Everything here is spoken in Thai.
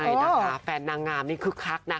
เป็นจังหวัดภาพแฟนนางงามนี่คไม่ไบ้นะคะ